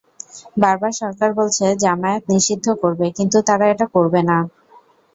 বারবার সরকার বলছে জামায়াত নিষিদ্ধ করবে, কিন্তু তারা এটা করবে না।